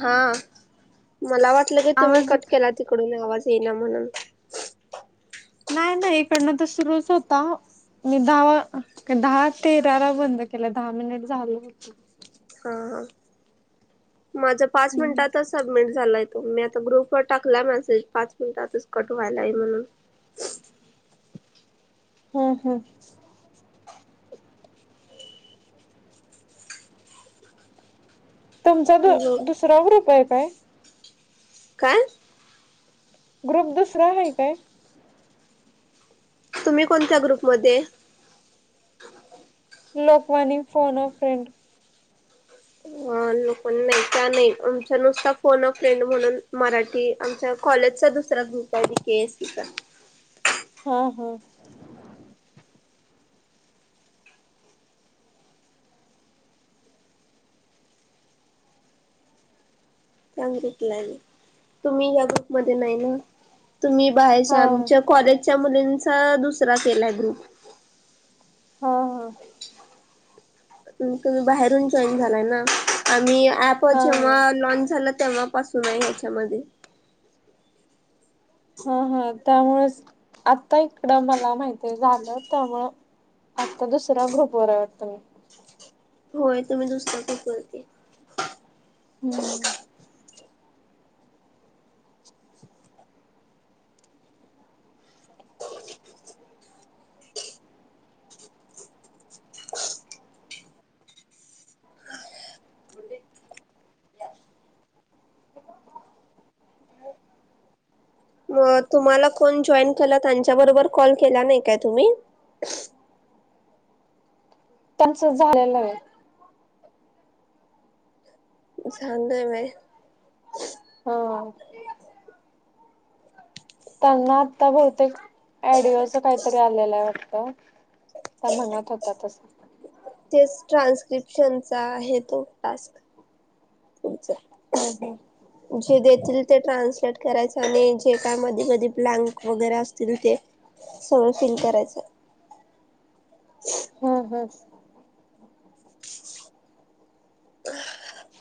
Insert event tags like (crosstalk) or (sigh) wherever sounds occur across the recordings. हा मला वाटलं की तुम्हीं आवाज कट केला तिकडून आवाज गेला म्हणून नाही नाही इकडनं तर सुरूच होता. मी दहा दहा तेराला बंद केलं दहा मिनिट झालं होते. ह माझं पांच मिनटातच सबमिट झालंय. मी आता ग्रुप वर टाकला मेॅसेज पांच मिनिटांतच कट व्हायलाय म्हणून, हो हो तुमचा दु हो दुसरा ग्रुप आहे काय? काय? ग्रुप दुसरा आहे काय? तुम्हीं कोणत्या ग्रुप मध्यें आहे? लोकवानी फोन अ फ्रेंड. अ लोकवानी नाही, त्या नाही आमच्या नुस्ता फोन अ फ्रेंड म्हणून मराठी आमच्या कॉलेजचा दुसरा ग्रुप आहे डीकेएससीचा. हा हा (inaudible) चांगली (unintelligible) तुम्ही या ग्रुप मध्ये नाही ना? तुम्ही हा बाहेरच्या आमच्या कॉलेजच्या मुलींचा दुसरा केलाय ग्रुप. हा हा त तुम्ही बाहेरून जॉईन झालाय ना? आम्ही एप हा जेव्हा लॉन्च झाला तेव्हापासून आहे ह्याच्यामध्ये. हा हा त्यामुळेच, आता इकडं मला माहिती झालं त्यामुळं आता दुसरा ग्रुपवर वाटतं मी? होय तुम्ही दुसऱ्या ग्रुपवरती. हम्म मग तुम्हाला कोण जॉईन केला त्यांच्याबरोबर कॉल केला नाही काय तुम्ही? त्यांचं झालेलं आहे. झालंय होय? हा त्यांना आता बहुतेकए डिओ असं काहीतरी आलेलं आहे वाटत त्या म्हनात होता तस तेच ट्रान्स्क्रिप्शनचा आहे तो टास्क हम्म तमच हम्म जे देतील ते ट्रान्सलेट करायच आणि जे काय मध कधी ब्लँक वगैरे असतील ते सगळं फील करायचं हम् हम् ह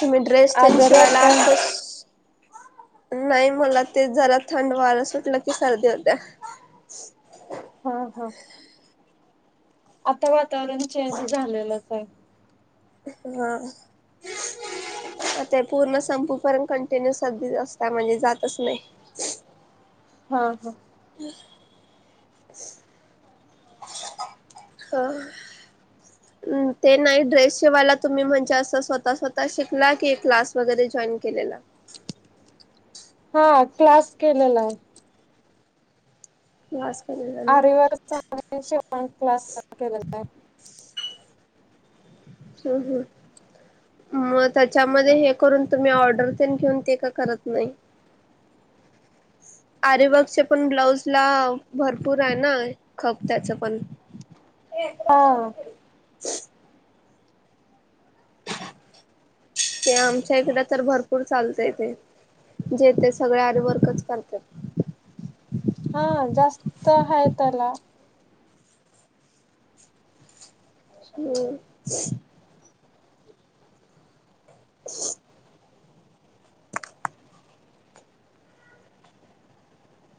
तुम्ही ड्रेस ततेन आज आजारी आहात शिवायला काय खुश नाही मला ते जरा थंड वार सुटलं की सर्दी होत्या ह हा हा आता वातावरण चेंज झालेलं स हा आता पूर्ण संपू पर्ण कंटिन्यू सध असत म्हणजे जातच नाही हा हा हा ते नाही ड्रेस शिवायला तुम्ही म्हणजे असं स्वतः स्वतः शिकला कि क्लास वगैरेे केलेला (unintelligible) हा क्लास केलेला आहे क्लास केलेला ना आरी वर्क चा आणि शिवणक्लास चा केलेला आहे हम हम ह मग त्याच्यामध्ये हे करून तुम्ही ऑर्डर ते घेऊन ते का करत नाही ह आरबागचे पण ब्लाऊज ला भरपूर आहे ना खप त्याचं पण हा हा ते आमच्या इकडे तर भरपूर चालतंय ते जेेते सगळे आरी वर्कच करत हा जाास्त हाय त्याला हो च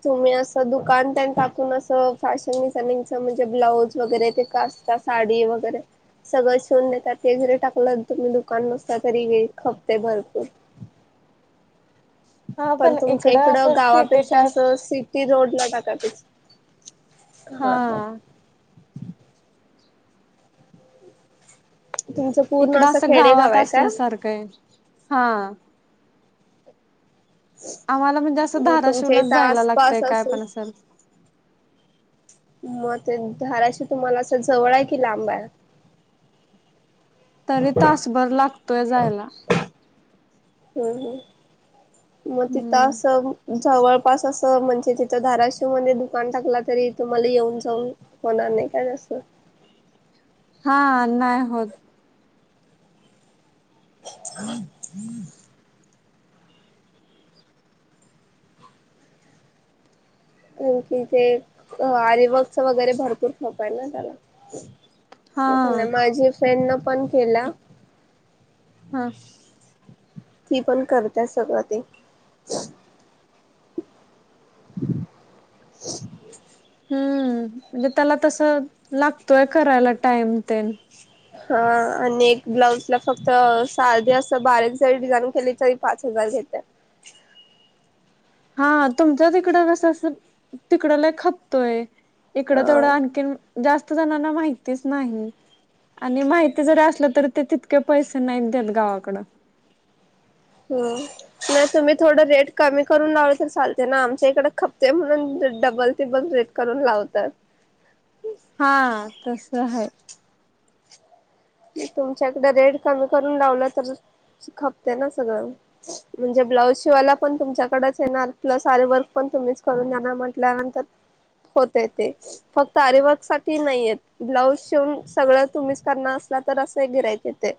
तुम्ही असं दुकानत टाकून असं फॅशन डिझानिंगच म्हणजे ब्लाउज वगैरे ते का साडी वगैरे सगळं शून देतात ते जरी टाकलं तुम्ही दुकान नसता तरी खपते भरपूर ह पण तुमच्या इकड असं सिटी गावापेक्षा टाईप असं सिटी रोड ला टाकाच हा तुमचं पूर्ण इकडं असं खेडेगाव गावात आहे का असल्या सारखं हा आम्हाला म्हणजे असं मग तुमच्या धाराशिवलाच इथं जायला लागतय आसपास काय असं पण असल मग ते धाराशी तुम्हाला अस जवळ आहे कि लांब आहे तरी तासभर लागतोय जायला हम् हम मग तिथ हम्म अस जवळपास अस म्हणजे तिथं धाराशिव मध्ये दुकान टाकला तरी तुम्हाला येऊन जाऊन होणार नाही काय जासत हा नाही होत हम् हम्म आण की ते आरीवक्स वगैरे भरपूर खप आहे ना त्याला. हा ते माझी फ्रेंड न पण. केला हा. ती पण करताय सगळं ते. (inaudible) हम्म म्हणजे त्याला तस लागतोय करायला टाइम तेन. हा आणि एक ब्लाउज ला फक्त साधी असं बारीक जरी डिझाईन केली तरी पाच हजार तसंच (inaudible) हा तुमच्या तिकड कस तिकडला खपतोय इकडं हा तेवढं आणखी जास्त जणांना माहितीच नाही. आणि माहिती जरी असलं तरी ते तितके पैसे नाहीत देत गावाकड हम नाही तुम्ही थोडं रेट कमी करून लावलं तर चालते ना आमच्या इकडे खपते म्हणून डबल टीबल रेट करून लावतात. हा तस आहे तुमच्याकडें रेट कमी करून लावलं तर खपते ना सगळं म्हणजे ब्लाउज शिवायला पण तुमच्याकडेच येणार प्लस आरवर्क पण तुम्हीच करून देणार म्हटल्यानंतर. होत ते फक्त आरीवर्क साठी नाहीयत ब्लाऊज शेवून सगळं तुम्हीच करणार तर असं गिराईच ते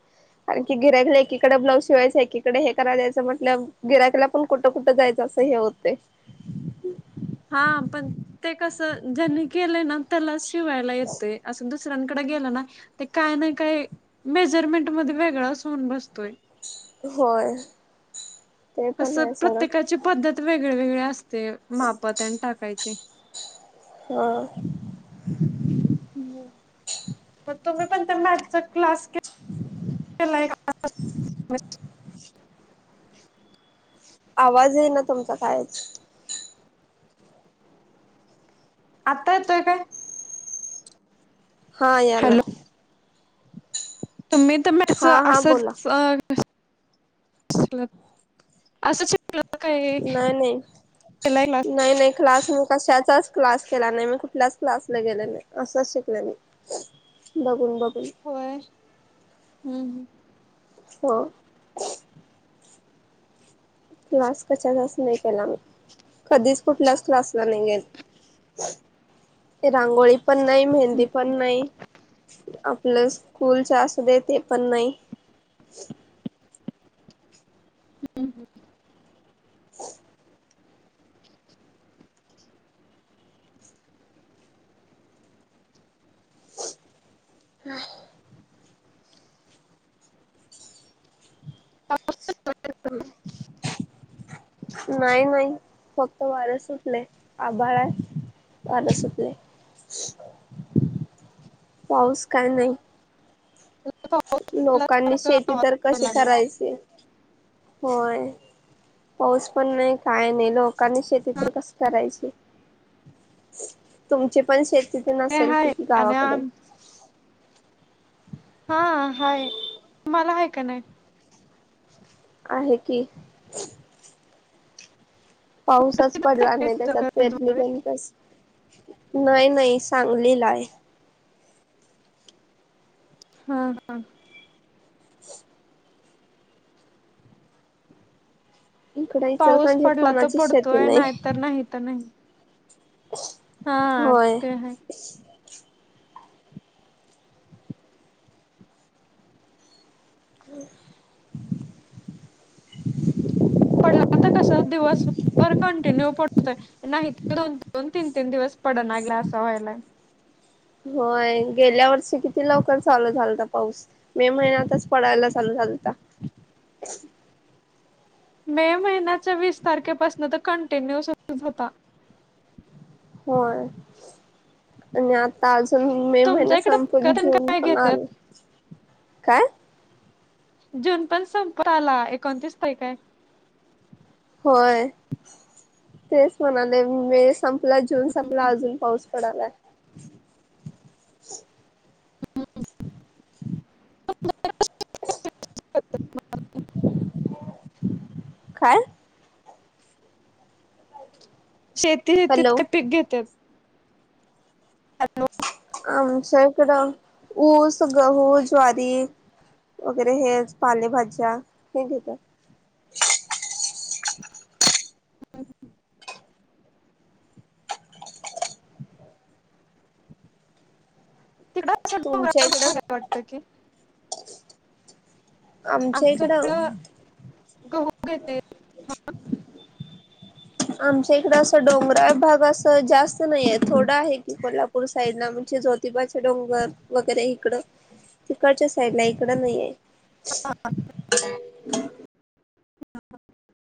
कारखी गिराकला एकीकडे ब्लाउज शिवायचं एकीकडे हे करालायचंटलं गियकला पण कुठं कुठं जायचं. स हे होतय. (inaudible) हा पण ते कस ज्यांनी केलं ना त्याला शिवायला येतंय अस दुसऱ्यान कडे गेलं ना ते काय ना काय मेजरमेंट मध्ये वेगळा अस होन बसतोय होय. ते पण कसं आहे सगळं प्रत्येकाची पद्धत वेगळी वेगळी असते माप तेन टाकायचे हा. मग तो पण मॅथचा क्लास (inaudible) आवाज आहे ना तुमचा कायच. आता येतोय काय. हा याला. हॅलो तुम्ही तर म हा हा बोला असंच अस नाही केलाय क्लास नाही नाही नाही क्लास मु कशाचाच क्लास केला नाही मी कुठल्याच क्लासला गेले नाही असंच शिकले मी. बघून बघून. होय हम्म हम्म. हो. क्लास कशा जास नाही केलाम्ही कधीच कुठल्याच क्लासला नाही गेले. रांगोळी पण नाही मेहंदी हम्म पण नाही. लल स्कूलच्या असू दे ते पण नाही (inaudible) नाही नाही फक्त वारस. आभळ आहे वार सूटलय. पाऊस काय नाही. लोकांनी सारखा शेती आवाज तर कशी यायला लागलाय करायची. होय पाऊस पण नाही काय नाही लोक. लोकांनी शेती तर कस करायची. तुमची पण शेतीत ते नसेल हाय किती आणि गावाकड आम हा हाय तुम्हाला हय, का नाही? आहे की, पाऊसच पडला नाही, त्याच्यात फेरली का कस, नाही नाही, सांगली ला आहे. हा हा, इकडे पाऊस इचलकरंजीत पडला तर कोणाचीच शेती पडतोय नाही, तरर नाही तर नाही. हा अ होय. ते आहे. (unintelligible) (unintelligible) पडला तर कस दिवस बर कंटिन्यू पडतोय नाहीतर, दोन दोन तीन तीन दिवस पड नागला असं व्हायला. होय गेल्या वर्षी किती लवकर चालू झालत पाऊस, मे महिन्यातच पडायला चालू झा ता (unintelligible) मे महिन्याच्या वीस तारखेपासून तो कंटिन्यू सुरु होता. होय, आणि आता आजून, मे तुमच्या महिनात इकडे संपून पिकतेन जून काय पण आला. घेतात काय? जून पण संपला एकोणतीस तारीख आहे. होय तेच म्हणाले, मे संपला जून संपला अजून पाऊस पडला, हम्म (unintelligible) काय? शेती शेतीत हॅलो का पीक घेतात. आमच्या इकडं ऊस, गहू, ज्वारी, वगैरे हेच पालेभाज्या हे देतात. (unintelligible) तिकड असं तुमच्या डोंगराळ इकडं? भाग आहे वाटतं की आमच्या इकडं, गहू (unintelligible) आमच्या इकड असं डोंगराळ भाग असं जास्त नाहीये, थोडा आहे की कोल्हापूर साईड ला म्हणजे, जोतीबाचे डोंगर, वगैरे इकडं. तिकडच्या साईड ला इकड नाही आहे. (unintelligible)